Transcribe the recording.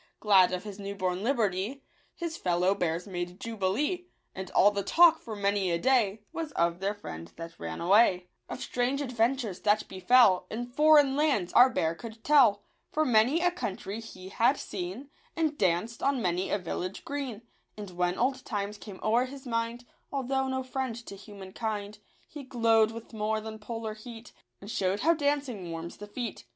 Glad of his new born liberty, His fellow bears made jubilee ; And all the talk, for many a day, Was of their friend that ran away. 124 r» 'Mil. « Digitized by Google IT £ Of strange adventures, that befell In foreign lands, our bear could tell ; For many a country he had seen, And danced on many a village green ; And when old times came o'er his mind, Although no friend to human kind, He glow'd with more than polar heat, And shew'd how dancing warms the feet.